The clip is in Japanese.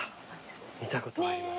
見たことあります。